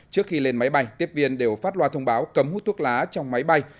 trước khi lên máy bay tiếp viên đều phát loa thông báo cấm hút thuốc lá trong máy bay